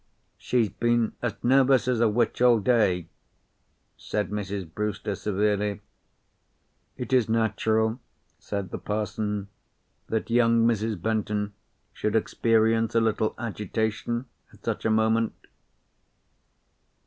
"She's been as nervous as a witch all day," said Mrs. Brewster severely. "It is natural," said the parson, "that young Mrs. Benton should experience a little agitation at such a moment."